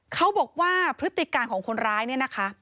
เขาบอกว่าพฤติการของคนร้ายเนี่ยนะคะ